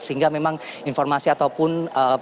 sehingga memang informasi ataupun